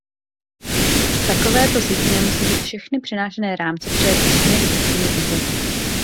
V takovéto síti nemusí být všechny přenášené rámce přijaty všemi dostupnými uzly.